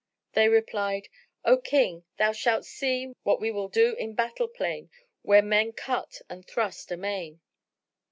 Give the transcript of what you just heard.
They replied, "O King, soon thou shalt see what we will do in battle plain where men cut and thrust amain."